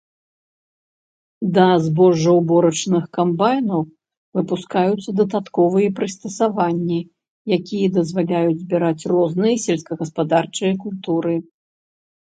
Да збожжаўборачных камбайнаў выпускаюцца дадатковыя прыстасаванні, якія дазваляюць збіраць розныя сельскагаспадарчыя культуры.